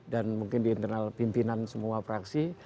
dan mungkin di internal pimpinan semua praksi